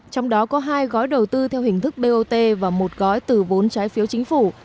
trong đó có hai gói đầu tư theo hình thức bot và một gói từ vốn trái phiếu chính phủ